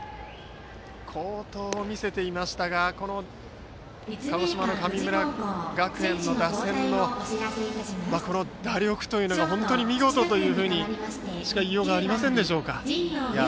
好投を見せていましたが鹿児島・神村学園の打線の打力というのが本当に見事としか言いようがありませんか。